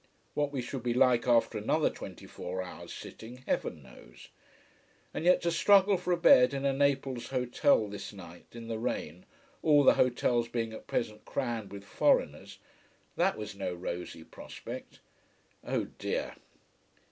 What we should be like after another twenty four hours' sitting, heaven knows. And yet to struggle for a bed in a Naples hotel this night, in the rain, all the hotels being at present crammed with foreigners, that was no rosy prospect. Oh dear!